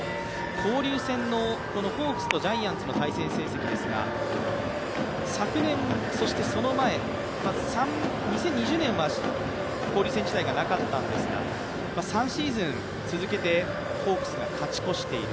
交流戦のホークスとジャイアンツの対戦成績ですが昨年、そしてその前、２０２０年は交流戦自体がなかったんですが３シーズン続けてホークスが勝ち越している。